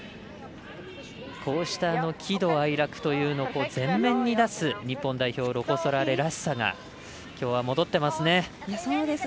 こうした喜怒哀楽というのを前面に出す、日本代表ロコ・ソラーレらしさがきょうは戻ってますね。